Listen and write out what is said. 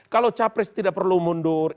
kalau capres tidak perlu mundur